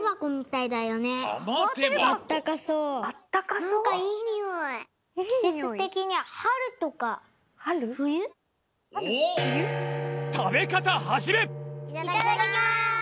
いただきます！